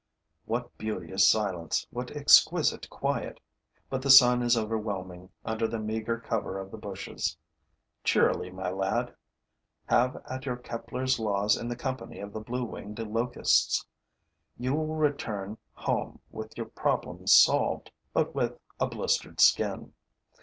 What beauteous silence, what exquisite quiet! But the sun is overwhelming, under the meager cover of the bushes. Cheerily, my lad! Have at your Kepler's laws in the company of the blue winged locusts. You will return home with your problems solved, but with a blistered skin.